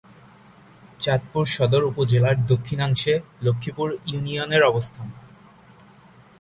চাঁদপুর সদর উপজেলার দক্ষিণাংশে লক্ষ্মীপুর ইউনিয়নের অবস্থান।